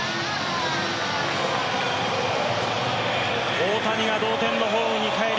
大谷が同点のホームに帰り